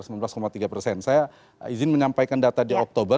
saya izin menyampaikan data di oktober